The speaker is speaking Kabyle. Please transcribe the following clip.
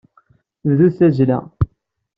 Bdut tazzla.